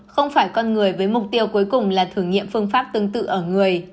không phải con người với mục tiêu cuối cùng là thử nghiệm phương pháp tương tự ở người